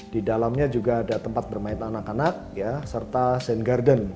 di dalamnya juga ada tempat bermain anak anak serta sand garden